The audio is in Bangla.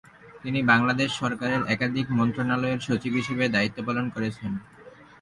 তিনি বাংলাদেশ সরকারের একাধিক মন্ত্রণালয়ের সচিব হিসাবে দায়িত্ব পালন করেছেন।